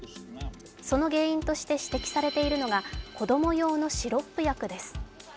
その原因として指摘されているのが子供用のシロップ薬です。